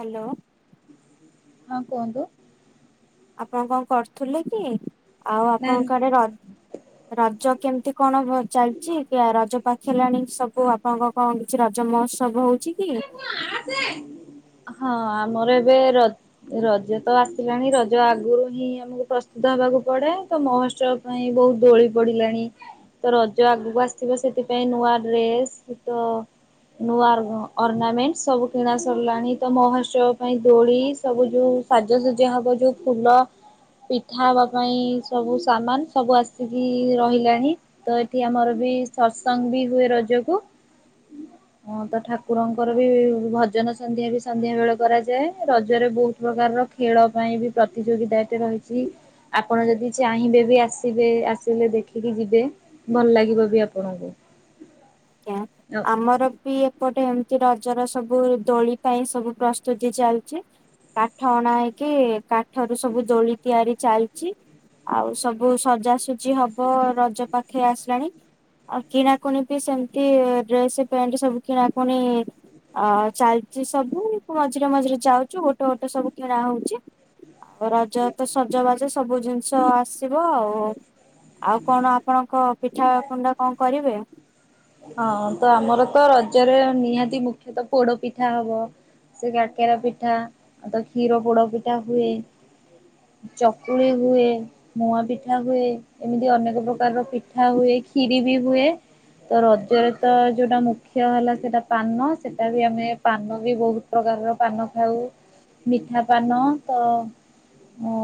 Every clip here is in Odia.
ହାଲୋ। ହଁ କୁହନ୍ତୁ? ଆପଣ କଣ କରୁଥିଲେ କି ଆଉ ମ୍ୟାମ୍ ଆପଣଙ୍କ ଆଡେ ର ରଜ କେମିତି କଣ ଚାଲିଛି କି ରଜ ପାଖେଇ ଲାଣି ସବୁ ଆପଣଙ୍କ କଣ କିଛି ରଜ ମହୋତ୍ସବ ହଉଛି କି? ହଁ ଆସେ ହଁ ଆମର ଏବେ ର ରଜ ତ ଆସିଲାଣି ରଜ ଆଗରୁ ହିଁ ଆମକୁ ପ୍ରସ୍ତୁତ ହେବାକୁ ପଡେ ତ ମହୋତ୍ସବ ପାଇଁ ବହୁତ ଦୋଳି ପଡିଲାଣି। ତ ରଜ ଆଗକୁ ଆସିବ ସେଥିପାଇଁ ନୂଆ ଡ୍ରେସ୍ ତ ନୂଆର ଅର୍ଣ୍ଣାମେଣ୍ଟସ୍ ସବୁ କିଣା ସରିଲାଣି ତ ମହୋତ୍ସବ ପାଇଁ ଦୋଳି ସବୁ ଯୋଉ ସାଜସଜା ହବ ଯୋଉ ଫୁଲ ପିଠା ହବା ପାଇଁ ସବୁ ସାମାନ ସବୁ ଆସିକି ରହିଲାଣି। ତ ଏଠି ଆମର ବି ସତସଙ୍ଗ୍ ବି ହୁଏ ରଜକୁ ହଁ ତ ଠା ଠାକୁରଙ୍କର ବି ଭଜନ ସନ୍ଧ୍ୟା ବି ସନ୍ଧ୍ୟା ବେଳେ କରାଯାଏ ରଜରେ ବହୁତ ପ୍ରକାରର ଖେଳ ପାଇଁ ବି ପ୍ରତିଯୋଗିତା ଟେ ରହିଛି। ଆପଣ ଯଦି ଚାହିଁବେ ବି ଆସିବେ ଆସିଲେ ଦେଖିକି ଯିବେ। ଭଲ ଲାଗିବ ବି ଆପଣଙ୍କୁ। ଆଜ୍ଞା ଆମର ବି ଏ ଏପଟେ ଏମିତି ରଜର ସବୁ ଦୋଳି ପାଇଁ ସବୁ ପ୍ରସ୍ତୁତି ଚାଲିଛି। କାଠ ହଣା ହେଇକି କାଠରୁ ସବୁ ଦୋଳି ତିଆରି ଚାଲିଛି। ଆଉ ସବୁ ସଜାସଜି ହବ ରଜ ପାଖେଇ ଆସିଲାଣି ଆଉ କିଣାକୁଣି ବି ସେମିତି ଡ୍ରେସ୍ ପ୍ୟାଣ୍ଟ ସବୁ କିଣାକୁଣି ଆ ଚାଲିଛି ସବୁ ମଝିରେ ମଝିରେ ଯାଉଛୁ ଗୋଟେ ଗୋଟେ ସବୁ କିଣା ହଉଛି। ଆଉ ରଜ ତ ସଜବାଜ ସବୁ ଜିନିଷ ଆସିବ ଆଉ। ଆଉ କଣ ଆପଣଙ୍କ ପିଠା କୁଣ୍ଡା କଣ କରିବେ? ହଁ ତ ଆମର ତ ରଜରେ ନିହାତି ମୁଖ୍ୟତଃ ପୋଡ ପିଠା ହବ ସେ କାକେରା ପିଠା ଆଉ ତ କ୍ଷୀର ପୋଡପିଠା ହୁଏ ଚକୁଳି ହୁଏ ମୁଆ ପିଠା ହୁଏ ଏମିତି ଅନେକ ପ୍ରକାରର ପିଠା ହୁଏ ଖିରି ବି ହୁଏ। ତ ରଜରେ ତ ଯୋଉଟା ମୁଖ୍ୟ ହେଲା ସେଟା ପାନ ସେଟା ବି ଆମେ ପାନ ବି ବହୁତ। ପ୍ରକାରର ପାନ ଖାଉ ମିଠା ପାନ ତ। ଓ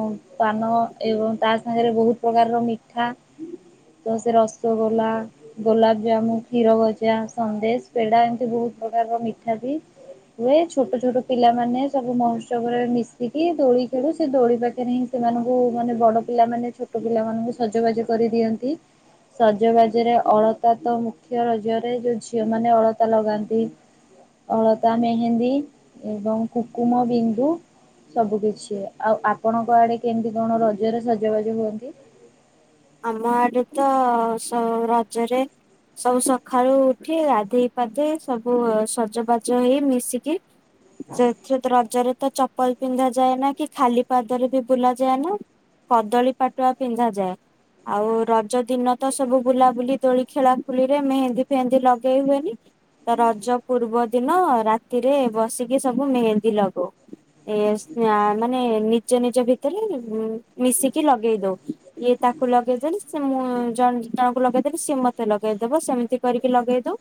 ପାନ ଏବଂ ତା ସାଙ୍ଗରେ ବହୁତ ପ୍ରକାରର ମିଠା। ତ ସେ ରସଗୋଲା, ଗୋଲାପ ଜାମୁନ, କ୍ଷୀରଗଜା, ସନ୍ଦେଶ, ପେଡା ଏମତି ବହୁତ ପ୍ରକାରର ମିଠା ବି। ହୁଏ ଛୋଟ ଛୋଟ ପିଲାମାନେ ସବୁ ମହୋତ୍ସବରେ ମିଶିକି ଦୋଳି ଖେଳୁ ସେ ଦୋଳି ପାଖରେ ହିଁ। ସେମାନଙ୍କୁ ମାନେ ବଡ ପିଲାମାନେ ଛୋଟ ପିଲାମାନଙ୍କୁ ସଜବାଜ କରିଦିଅନ୍ତି। ସଜବାଜରେ ଅଳ ସେଟା ତ ମୁଖ୍ୟ ରଜରେ ଯୋଉ ଝିଅ ମାନେ ଅଳତା ଲଗାନ୍ତି। ଅଳତା, ମେହେନ୍ଦୀ ଏବଂ କୁକୁମ, ବିନ୍ଦୁ। ସବୁକିଛି ଆଉ ଆପଣଙ୍କ ଆଡ଼େ କେମିତି କଣ ରଜରେ ସଜବାଜ ହୁଅନ୍ତି? ଆମ ଆଡେ ତ ସ ରଜରେ। ସବୁ ସକାଳୁ ଉଠି ଗାଧେଇ ପାଧେଇ ସବୁ ସଜବାଜ ହେଇ ମିଶିକି। ସେଥିରେ ରଜରେ ତ ଚ ଚପଲ ପିନ୍ଧା ଯାଏନା କି ଖାଲି ପାଦରେ ବି ବୁଲା ଯାଏନା କଦଳୀ ପାଟୁଆ ପିନ୍ଧା ଯାଏ। ଆଉ ରଜ ଦିନ ତ ସବୁ ବୁଲାବୁଲି ଦୋଳି ଖେଳା ଖୁଳିରେ ମେହେନ୍ଦି ଫେହେନ୍ଦି ଲଗେଇ ହୁଏନି। ତ ରଜ ପୂର୍ବ ଦିନ ରାତିରେ ବସିକି ସବୁ ମେହେନ୍ଦୀ ଲଗଉ। ଏ ମାନେ ନିଜ ନିଜ ଭିତରେ ମିଶିକି ଲଗେଇ ଦେଉ। ଇଏ ତା କୁ ଲଗେଇଦେଲି ସେ ମୁଁ ଜ ଜଣଙ୍କୁ ଲଗେଇଦେଲି ସିଏ ମତେ ଲଗେଇଦବ ସେମିତି କରିକି ଲଗେଇଦେଉ।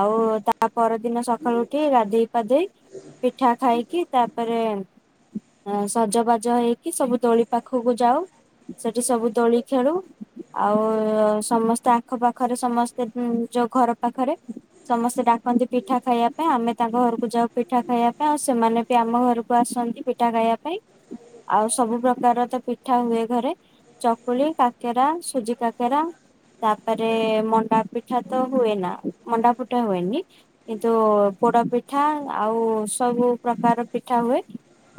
ଆଉ ତା ପରଦିନ ସକାଳୁ ଉଠି ଗାଧେଇ ପାଧେଇ। ପିଠା ଖାଇକି ତାପରେ। ଆ ସଜବାଜ ହେଇକି ସବୁ ଦୋଳି ପାଖକୁ ଯାଉ ସେଠି ସବୁ ଦୋଳି। ଖେଳୁ। ଆଉ ସମସ୍ତେ ଆଖ ପାଖରେ ସମସ୍ତେ ଯୋଉ ଘର ପାଖରେ। ସମସ୍ତେ ଡାକନ୍ତି ପିଠା ଖାଇବା ପାଇଁ ଆମେ ତାଙ୍କ ଘରକୁ ଯାଉ ପିଠା ଖାଇବା ପାଇଁ ଆଉ ସେମାନେ ବି ଆମ ଘରକୁ ଆସନ୍ତି। ପିଠା ଖାଇବା ପାଇଁ, ଆଉ ସବୁ ପ୍ରକାର ତ ପିଠା ହୁଏ ଘରେ। ଚକୁଳି, କାକେରା, ସୁଜି କାକେରା। ତାପରେ ମଣ୍ଡା ପିଠା ତ ହୁଏ ନା ମଣ୍ଡା ପିଠା ହୁଏନି। କିନ୍ତୁ ପୋଡପିଠା ଆଉ ସବୁ ପ୍ରକାର ପିଠା ହୁଏ।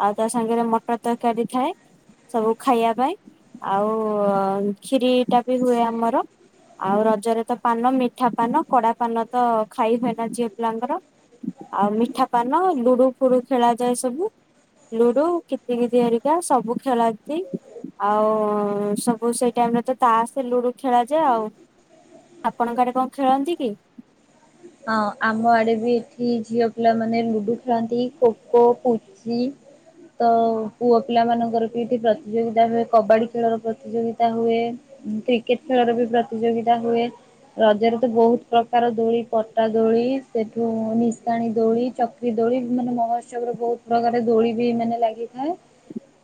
ଆଉ ତା ସାଙ୍ଗରେ ମଟର ତରକାରୀ ଥାଏ ସବୁ ଖାଇବା ପାଇଁ। ଆଉ। ଖିରି ଟା ବି ହୁଏ ଆମର। ଆଉ ରଜରେ ତ ପାନ ମିଠା ପାନ କଡା ପାନ ତ ଖାଇ ହୁଏନା ଝିଅ ପିଲାଙ୍କର। ଆଉ ମିଠା ପାନ ଲୁଡୁ ଫୁଡୁ ଖେଳାଯାଏ ସବୁ। ଲୁଡୁ କିତିକିତି ହେରିକା ସବୁ ଖେଳନ୍ତି ଆଉ। ସବୁ ସେଇ ଟାଇମରେ ତ ତାସେ ଲୁଡୁ ଖେଳାଯାଏ ଆଉ ଆପଣଙ୍କ ଆଡେ କଣ ଖେଳନ୍ତି କି? ହଁ ଆମ ଆଡେ ବି ଏଠି ଝିଅ ପିଲାମାନେ ଲୁଡୁ ଖେଳନ୍ତି ଖୋ ଖୋ, ପୁ ଛି। ତ ପୁଅ ପିଲାମାନଙ୍କର ବି ଏଠି ପ୍ରତିଯୋଗିତା ହୁଏ କବାଡ଼ି ଖେଳର ପ୍ରତିଯୋଗିତା ହୁଏ। କ୍ରିକେଟ ଖେଳର ବି ପ୍ରତିଯୋଗିତା ହୁଏ ରଜରେ ତ ବହୁତ ପ୍ରକାର ଦୋଳି। ପଟା ଦୋଳି, ସେଠୁ ନିଶାଣୀ ଦୋଳି, ଚକି ଦୋଳି, ମାନେ ମହୋତ୍ସବରେ ବହୁତ। ପ୍ରକାର ଦୋଳି ବି ମାନେ ଲାଗିଥାଏ।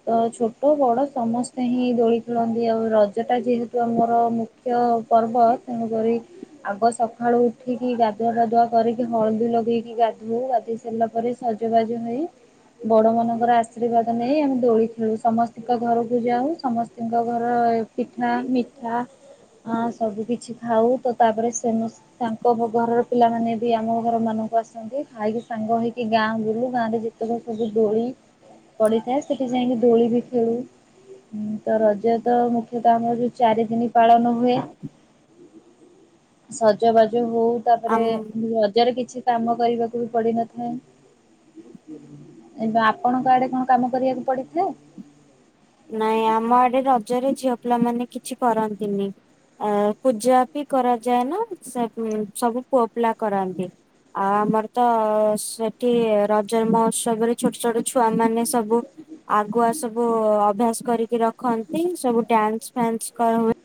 ତ ଛୋଟ ବଡ଼ ସମସ୍ତେ ହିଁ ଦୋଳି ଖେଳନ୍ତି ଆଉ ରଜ ଟା ଯେହେତୁ ଆମର ମୁ ମୁଖ୍ୟ ପର୍ବ ତେଣୁକରି ଆଗ ସକାଳୁ ଉ ଉଠିକି ଗାଧୁଆ ପାଧୁଆ କରିକି ହଳଦୀ ଲଗେଇକି ଗାଧଉ, ଗାଧେଇ ସାରିଲା ପରେ ସଜବାଜ ହେଇ ବଡ଼ମାନଙ୍କର ଆଶୀର୍ବାଦ ନେଇ ଆମେ ଦୋଳି ଖେଳୁ ସମସ୍ତିଙ୍କ ଘରକୁ ଯାଉ ସମସ୍ତିଙ୍କ ଘରେ ପିଠା ମିଠା ଆଁ ସବୁ କିଛି ଖାଉ ତ ତାପରେ ସମସ୍ ପୋଭୋଗ ଘରର ପିଲାମାନେ ବି ଆମ ଘରମାନଙ୍କୁ ଆସନ୍ତି ଖାଇକି ସାଙ୍ଗ ହେଇକି ଗାଆଁ ବୁଲୁ ଗାଆଁରେ ଯେ ଯେତେକ ସବୁ ଦୋଳି ପଡ଼ିଥାଏ ସେଠି ଯାଇକି ଦୋଳି ବି ଖେଳୁ। ହୁଁ ତ ରଜ ତ ମୁଖ୍ୟତଃ ଆମର ଯୋଉ ଚାରି ଦିନ ପାଳନ ହୁଏ। ସଜବାଜ ହଉ ତାପରେ ଆମ ରଜରେ କିଛି କାମ କରିବାକୁ ବି ପଡିି଼ ନଥାଏ। ଏବେ ଆପଣଙ୍କ ଆଡ଼େ କଣ କାମ କରିବାକୁ ପଡିଥାଏ? ନାଇଁ ଆମ ଆଡେ଼ ରଜରେ ଝିଅ ପିଲାମାନେ କିଛି କରନ୍ତିନି। ଆ ପୂଜା ବି କରା ଯାଏନା ସେ ସବୁ ପୁଅ ପିଲା କରନ୍ତି। ଆ ଆମର ତ ସେଠି ରଜ ମହୋତ୍ସବରେ ଛୋଟ-ଛୋଟ ଛୁଆ ମାନେ ସବୁ ଆଗୁଆ ସବୁ ଅଭ୍ୟାସ କରିକି ରଖନ୍ତି, ସବୁ ଡ୍ୟାନ୍ସ ଫ୍ୟାନ୍ସ କଣ ହୁଏ।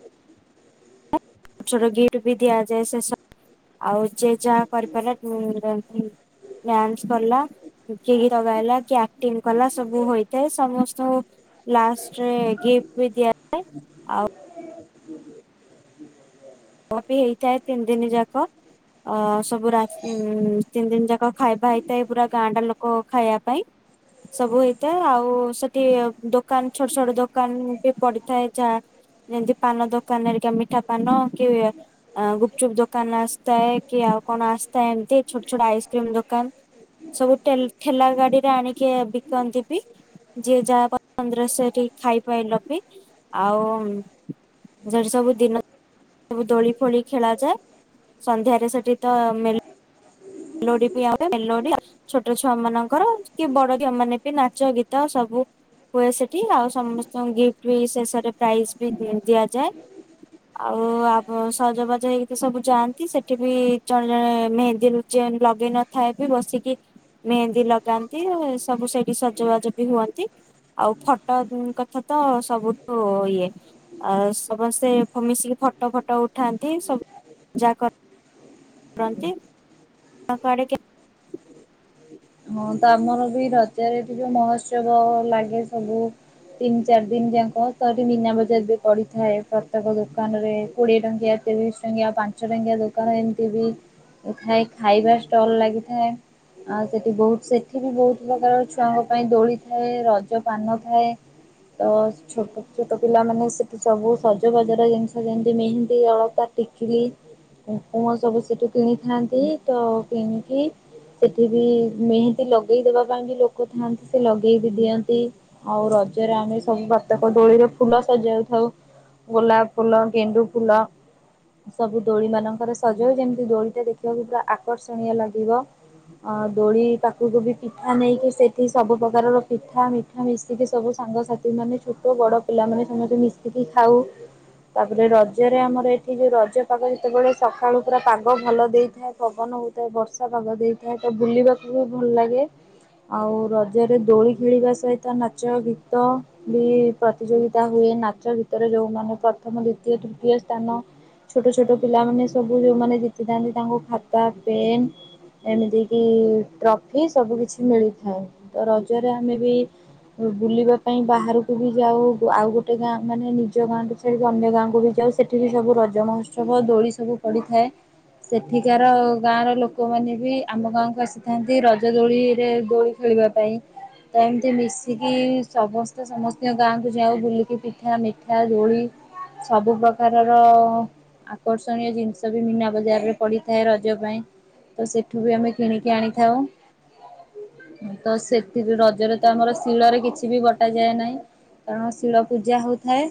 ଛୋଟ ଛୋଟ ଗିଫ୍ଟ ବି ଦିଆଯାଏ ସେ ସବୁ ଆଉ ଯେ ଯାହା କରିପାରିଲା [inaudible] ଡ୍ୟାନ୍ସ କଲା। କିଏ ଗୀତ ଗାଇଲା କିଏ ଆକ୍ଟିଙ୍ଗ କଲା ସବୁ ହୋଇଥାଏ ସମସ୍ତଙ୍କୁ ଲାଷ୍ଟରେ-ଏ-ଏ ଗିଫ୍ଟ ବି ଦିଆ [inaudible] ବି ହେଇଥାଏ ତିନି ଦିନ ଯାକ। ଅ-ଅ-ଅ ସବୁ ରାକ୍ସ ଉଁ-ଉଁ-ଉଁ ତିନି ଦିନ ଯାକ ଖାଇବା ହେଇଥାଏ ପୁରା ଗାଆଁଟା ଲୋକ ଖାଇବା ପାଇଁ। ସବୁ ହେଇଥାଏ ଆଉ ସେଠି ଦୋକାନ ଛୋଟ-ଛୋଟ ଦୋକାନ ବି ପଡିଥାଏ ଯାଆ ଯେମିତି ପାନ ଦୋକାନ‌ ହେରିକା ମିଠା ପାନ କି ଆଁ ଗୁପଚୁପ୍ ଦୋକାନ ଆସିଥାଏ କି ଆଉ କଣ ଆସିଥାଏ ଏମତି ଛୋଟ-ଛୋଟ ଆଇସ୍କ୍ରିମ ଦୋକାନ। ସବୁ ଟେଲ୍ ଠେଲା ଗାଡ଼ିରେ ଆଣିକି ବିକନ୍ତି ବି। ଯିଏ ଯାହା ପସନ୍ଦରେ ସେଠି ଖାଇ ପାଇଲ ବି ଆଉ [unintelligible] ସବୁ ଦିନ ସବୁ ଦୋଳି ଫୋଳି ଖେଳା ଯାଏ, ସନ୍ଧ୍ୟାରେ ସେଠି ତ ମେଲୋ ମେଲୋଡ଼ି ବିି ଆ [inaudible] ମେଲୋଡ଼ି [inaudible] ଛୋଟ ଛୁଆମାନଙ୍କର କି ବଡ଼ ବି ଆମେମାନେ ବି ନାଚ ଗୀତ ସବୁ ହୁଏ ସେଠି, ଆଉ ସମସ୍ତଙ୍କ ଗିଫ୍ଟ ବି ଶେଷରେ ପ୍ରାଇଜ୍ ବି ଦି ଦିଆଯାଏ। ଆଉ ଆବ ସଜବାଜ ହେଇକି ସବୁ ଯାଆନ୍ତି ସେଠି ବି ଜଣେ ଜଣେ ମେହେନ୍ଦୀରୁୁ ଯେ ଲଗେଇ ନଥାଏ ବି ବସିକି ମେହେନ୍ଦୀ ଲଗାନ୍ତି ସବୁ ସେଇଠି ସଜବାଜ ବି ହୁଅନ୍ତି। ଆଉ ଫଟୋ କଥା ତ ସବୁଠୁ ଇଏ ଆ ସମସ୍ତେ ମିଶିକି ଫଟୋ ଫଟୋ ଉଠାନ୍ତି ସବୁ ଯାହା କର୍ କରନ୍ତି ତାଙ୍କ ଆଡି଼କି ହଁ ତ ଆମର ବି ରଜରେ ଏଠି ଯୋଉ ମହୋତ୍ସବ ଲାଗେ ସବୁ ତିନି ଚାରି ଦିନଯାଙ୍କ ତ ଏଠି ମୀନା ବଜାର ବି ପଡ଼ିଥାଏ, ପ୍ରତ୍ୟେକ ଦୋକାନରେ କୋଡ଼ିଏ ଟଙ୍କିଆ ତିରିଶ ଟଙ୍କିଆ, ପାଞ୍ଚ ଟଙ୍କିଆ ଦୋକାନ ଏମିତି ବି ଖାଇ ଖାଇବା ଷ୍ଟଲ୍ ଲାଗିଥାଏ। ଆଉ ସେଠି ବହୁତ ସେଠି ବି ବହୁତ ପ୍ରକାର ଛୁଆଙ୍କ ପାଇଁ ଦୋଳି ଥାଏ ରଜ ପାନ ଥାଏ। ତ ଛୋଟ-ଛୋଟ ପିଲାମାନେ ସେଠି ସବୁ ସଜବାଜର ଜିନିଷ ଯେମିତି ମେହେନ୍ଦୀ ଅଳତା ଟିକିଲି କୁଙ୍କୁମ ସବୁ ସେଠୁ କିଣିଥାନ୍ତି ତ କିଣିକି ସେଠି ବି ମେହେନ୍ଦୀ ଲଗେଇଦବା ପାଇଁ ବି ଲୋକ ଥାଆନ୍ତି ସେ ଲଗେଇବି ଦିଅନ୍ତି। ଆଉ ରଜରେ ଆମେ ସବୁ ପ୍ରତ୍ୟେକ ଦୋଳିରେ ଫୁଲ ସଜଉଥାଉ। ଗୋଲାପ ଫୁଲ, ଗେଣ୍ଡୁ ଫୁଲ। ସବୁ ଦୋଳି ମାନଙ୍କରେ ସଜାଉ ଯେମିତି ଦୋଳିଟା ଦେଖିବାକୁ ପୁରା ଆକର୍ଷଣୀୟ ଲାଗିବ। ଆବ୍ ଦୋଳି ପାଖକୁ ବି ପିଠା ନେଇକି ସେଇଠି ସବୁ ପ୍ରକାରର ପିଠା ମିଠା ମିଶିକି ସବୁ ସାଙ୍ଗସାଥିମାନେ ଛୋଟ ବଡ଼ ପିଲାମାନେ ସମସ୍ତେ ମିଶିକି ଖାଉ। ତାପରେ ରଜରେ ଆମର ଏଠି ଯୋଉ ରଜ ପାଗ ଯେତେବେଳେ ସକାଳୁ ପୁରା ପାଗ ଭଲ ଦେଇଥାଏ ପବନ ମୁଁ ବର୍ଷା ପାଗ ଦେଇଥାଏ ବୁଲିବାକୁ ବି ଭଲ ଲାଗେ। ଆଉ ରଜରେ ଦୋଳି ଖେଳିବା ସହିତ ନାଚ ଗୀତ ବି ପ୍ରତିଯୋଗିତା ହୁଏ ନାଚ ଗିତରେ ଯୋଉମାନେ ପ୍ରଥମ ଦ୍ଵିତୀୟ ତୃତୀୟ ସ୍ଥାନ ଛୋଟ ଛୋଟ ପିଲାମାନେ ସବୁ ଯେଉଁମାନେ ଜିତିଥାନ୍ତି ତାଙ୍କୁ ଖାତା ପେନ୍ ଏମିତି କି ଟ୍ରଫି ସବୁ କିଛି ମିଳିଥାଏ। ତ ରଜରେ ଆମେ ବି ବୁଲିବା ପାଇଁ ବାହାରକୁ ବି ଯାଉ ଆଉ ଗୋଟେ ଗାଁ ମାନେ ନିଜ ଗାଁଠୁ ସେଠି ଅନ୍ୟ ଗାଁକୁ ବି ଯାଉ ସେଠି ବି ସବୁ ରଜ ମହୋତ୍ସବ ଦୋଳି ସବୁ ପଡ଼ିଥାଏ। ସେଠିକାର ଗାଁର ଲୋକମାନେ ବି ଆମ ଗାଁକୁ ଆସିଥାନ୍ତି ରଜ ଦୋଳିରେ ଦୋଳି ଖେଳିବା ପାଇଁ। ତ ଏମିତି ମିଶିକି ସମସ୍ତେ ସମସ୍ତିଙ୍କ ଗାଁକୁ ଯାଉ ବୁଲିକି ପିଠା ମିଠା ଦୋଳି ସବୁ ପ୍ରକାରର ଆକର୍ଷଣୀୟ ଜିନିଷ ବି ମୀନା ବଜାରରେ ପଡିଥାଏ ରଜ ପାଇଁ। ତ ସେ ଏଠୁ ବି ଆମେ କିଣିକି ଆଣିଥାଉ। ତ ସେଥିରୁ ରଜରେ ତ ଆମର ଶିଳରେ କିଛି ବି ବଟାଯାଏ ନାହିଁ। କାରଣ ଶିଳ ପୂଜା ହଉଥାଏ।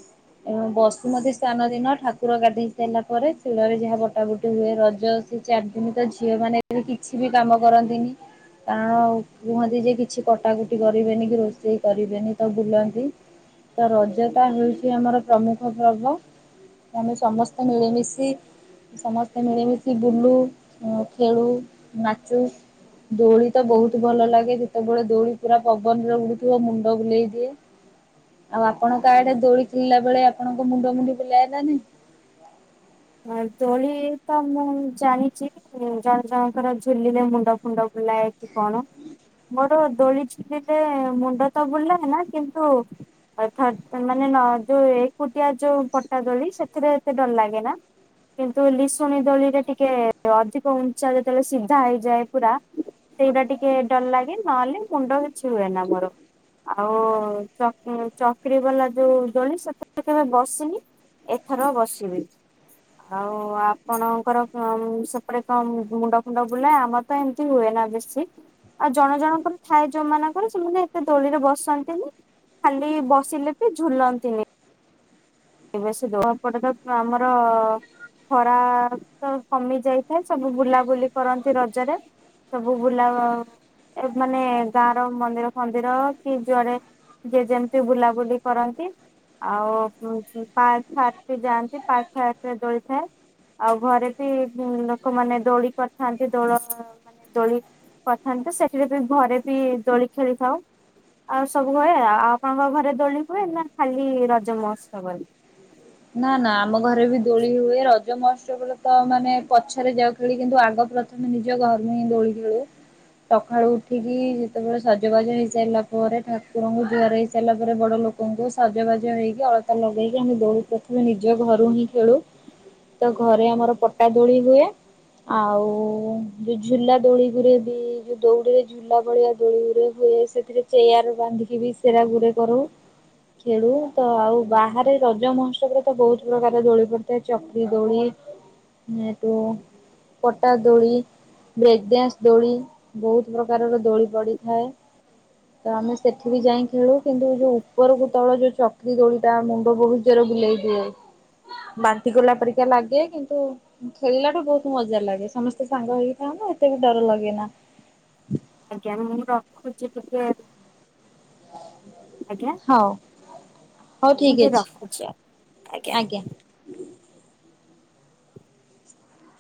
ଏବଂ ବସୁମତୀ ସ୍ଥାନ ଦିନ ଠାକୁର ଗାଧୋଇ ସାରିଲା ପରେ ଶିଳରେ ଯାହା ବଟାବୁଟି ହୁଏ ରଜ ସେ ଚାରି ଦିନ ତ ଝିଅ ମାନେ ଏ କିଛି ବି କାମ କରନ୍ତିନି। କାରଣ କୁହନ୍ତି ଯେ କିଛି କଟା କଟି କରିବେନି କି ରୋଷେଇ କରିବେନି ତ ବୁଲନ୍ତି। ତ ରଜଟା ହେଉଚି ଆମର ପ୍ରମୁଖ ପର୍ବ। ଆମେ ସମସ୍ତେ ମିଳିମିଶି ସମସ୍ତେ ମିଳିମିଶି ବୁଲୁ ଖେଳୁ ନାଚୁ। ଦୋଳି ତ ବହୁତ ଭଲ ଲାଗେ ଯେତେବେଳେ ଦୋଳି ପୁରା ପବନ ରେ ଉଡୁଥିବ ମୁଣ୍ଡ ବୁଲେଇ ଦିଏ। ଆଉ ଆପଣଙ୍କ ଆଡେ ଦୋଳି ଖେଳିଲା ବେଳେ ଆପଣଙ୍କ ମୁଣ୍ଡ ମୁଣ୍ଡି ବୁଲାଏନା ନାଇଁ? ହଁ ଦୋଳି ତ ମୁଁ ଜାଣିଚି ଉଁ ଜଣ ଜଣଙ୍କର ଝୁଲିଲେରେ ମୁଣ୍ଡ ଫୁଣ୍ଡ ବୁଲା କି କଣ? ମୋର ଦୋଳି ଝୁଲିଲେ ମୁଣ୍ଡ ତ ବୁଲାଏନା କିନ୍ତୁ ଅଥାତ୍ ମାନେ ନ ଯୋଉ ଏକୁଟିଆ ଯୋଉ ପଟା ଦୋଳି ସେଥିରେ ଏତେ ଡର ଲାଗେ ନା। କିନ୍ତୁ ଲିଶୁଣି ଦୋଳିରେ ଟିକେ ଅଧିକ ଉଞ୍ଚା ଯେତେବେଳେ ସିଧା ହେଇଯାଏ ପୁରା ସେଇଗୁଟା ଟିକେ ଡର ଲାଗେ ନହେଲେ ମୁଣ୍ଡ କିଛି ହୁଏନ ମୋର। ଆଉ ଚକିରି ବାଲା ଯୋଉ ଦୋଳି ସେତଳେ କେବେ ବସିନି। ଏଥର ବସିବି। ଆଉ ଆପଣଙ୍କର ସେପଟେ କଣ ମୁଣ୍ଡ ଫୁଣ୍ଡ ବୁଲେ ଆମର ତ ଏମତି ହୁଏ ନା ବେଶୀ ଆଉ ଜଣ ଜଣଙ୍କର ଥାଏ ଯୋଉମାନାନଙ୍କର ସେମାନେ ଏତେ ଦୋଳିରେ ବସନ୍ତିନି। ଖାଲି ବସିଲେ ବି ଝୁଲନ୍ତିନି। ଏବେ ସେ ଦୋ [unintelligible] ଆମର ଖରା ତ କମି ଯାଇଥାଏ ସବୁ ବୁଲାବୁଲି କରନ୍ତି ରଜରେ। ସବୁ ବୁଲା ମାନେ ଗାଁ ର ମନ୍ଦିର ଫନ୍ଦିର କି ଯୁଆଡେ ଯି ଯେମିତି ବୁଲାବୁଲି କରନ୍ତି। ଆଉ ପାଟ୍ ଫାଟ୍ ଯାଆନ୍ତି ପାଟ୍ ଫାଟ୍ ରେ ଦଳିଥାଏ। ଆଉ ଘରେ ବି ଲୋକମାନେ ଦୋଳି କରିଥାନ୍ତି ଦୋଳ ଦୋଳି କରିଥାନ୍ତ ସେଥିରେ ବି ଘରେ ବି ଦୋଳି ଖେଳିଥାଉ। ଆଉ ସବୁ ହୁଏ ଆଉ ଆପଣଙ୍କ ଘରେ ଦୋଳି ହୁଏ ନା ଖାଲି ରଜ ମହୋତ୍ସବରେ। ନାଁ ନାଁ ଆମ ଘରେ ବି ଦୋଳି ହୁଏ ରଜ ମହୋତ୍ସବରେ ତ ମାନେ ପଛରେ ଯାଉ। ଦୋଳି କିନ୍ତୁ ଆଗ ପ୍ରଥମେ ନିଜ ଘରୁ ହିଁ ଦୋଳି ଖେଳୁ। ସଖାଳୁ ଉଠିକି ଯେତେବେଳେ ସଜବାଜ ହେଇସାରିଲା ପରେ ଠାକୁରଙ୍କୁ ଜୁହାର ହେଇସାରିଲା ପରେ ବଡ ଲୋକ କିନ୍ତୁ ସାଜବାଜ ହେଇକି ଅଳତା ଲଗେଇକି ଆମେ ଦୋଳି ପ୍ରଥମେ ନିଜ ଘରୁ ହିଁ ଖେଳୁ। ତ ଘରେ ଆମର ପଟା ଦୋଳି ହୁଏ। ଆଉ ଯୋଉ ଝୁଲା ଦୋଳିି ରେ ବି ଯୋଉ ଦଉଡି ରେ ଝୁ ଝୁଲା ଦୋଳୀ ଦୋଳିରେ ହୁଏ ସେଥିରେ ଚେୟାର ବାନ୍ଧିକି ବି ସେରା ଗୁଟେ କରୁ। ଖେଳୁ ତ ଆଉ ବାହାରେ। ରଜ ମହୋତ୍ସବରେ ତ ବହୁତ ପ୍ରକାର ଦୋଳି ପଡିଥାଏ ଚକ୍ରି ଦୋଳି ସେଇଠୁ। ପଟା ଦୋଳି। ବ୍ରେକ ଡାନ୍ସ ଦୋଳି ବହୁତ ପ୍ରକାରର ଦୋଳି ପଡିଥାଏ। ତ ଆମେ ସେଠି ବି ଯାଇ ଖେଳୁ କିନ୍ତୁ ଯୋଉ ଉପରକୁ ତଳ ଯୋଉ ଚକ୍ରି ଦୋଳିଟା ମା ମୁଣ୍ଡ ବହୁତ ଜୋର ବୁଲେଇ ଦିଏ ବାନ୍ତି କଲା ପରିକା ଲାଗେ କିନ୍ତୁ। ଖେଳିଲାଠୁ ବହୁତ ମଜା ଲାଗେ ସମସ୍ତେ ସାଙ୍ଗ ହେଇକି ଥାନ୍ତି ସେତେ ବେଳେ ଡର ଲଗେ ନା। ଆଜ୍ଞା ମୁଁ ରଖୁଛି ଟିକେ। ଆଜ୍ଞା ହଉ। ହଉ ମୁଁ ଠିକ ଟିକେ ଅଛି ରଖୁଛି ଆଜ୍ଞା।